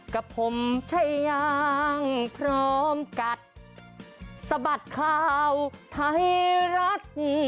กับผมชายางพร้อมกัดสะบัดข่าวไทยรัฐ